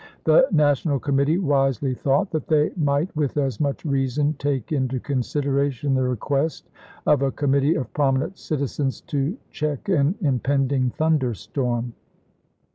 The Na tional Committee wisely thought that they might with as much reason take into consideration the re quest of a committee of prominent citizens to check an impending thunder storm.